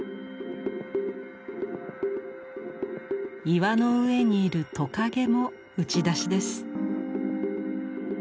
岩の上にいるトカゲも打ち出しです。